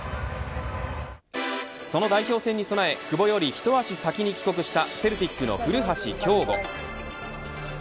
その代表戦を終え久保より一足先に帰国したセルティックの古橋亨梧。